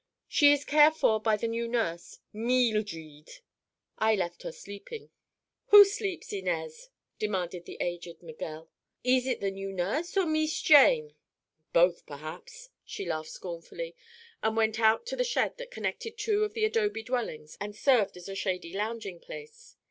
"She is care for by the new nurse, Meeldred. I left her sleeping." "Who sleeps, Inez?" demanded the aged Miguel. "Ees it the new nurse, or Mees Jane?" "Both, perhap." She laughed scornfully and went out to the shed that connected two of the adobe dwellings and served as a shady lounging place.